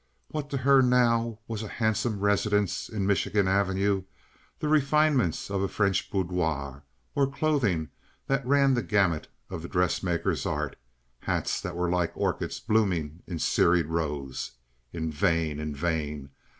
What to her now was a handsome residence in Michigan Avenue, the refinements of a French boudoir, or clothing that ran the gamut of the dressmaker's art, hats that were like orchids blooming in serried rows? In vain, in vain!